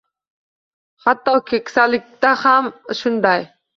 Hatto keksalikda ham shunday